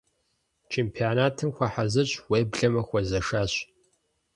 Чемпионатым хуэхьэзырщ, уеблэмэ хуэзэшащ.